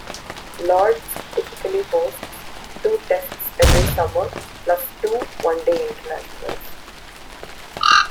Lord's typically hosts two Tests every summer plus two one-day internationals.